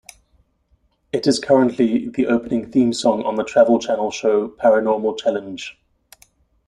It is currently the opening theme song on the Travel Channel show "Paranormal Challenge".